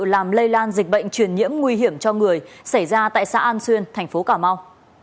làm lây lan dịch bệnh truyền nhiễm nguy hiểm cho người xảy ra tại xã an xuyên thành phố cà mau